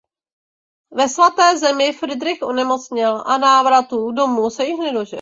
Ve Svaté zemi Fridrich onemocněl a návratu domů se již nedožil.